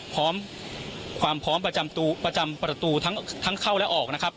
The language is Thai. พร้อมความพร้อมประจำประตูทั้งเข้าและออกนะครับ